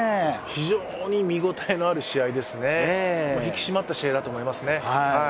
非常に見応えのある試合ですね、引き締まった試合だと思いますね。